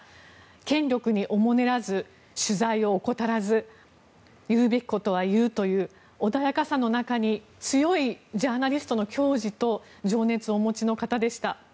権力におもねらず取材を怠らず言うべきことは言うという穏やかさの中に強いジャーナリストの矜持と情熱をお持ちの方でした。